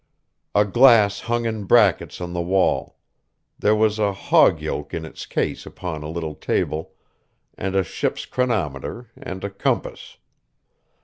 A glass hung in brackets on the wall; there was a hog yoke in its case upon a little table, and a ship's chronometer, and a compass....